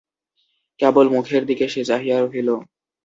কেবল মুখের দিকে সে চাহিয়া রহিল।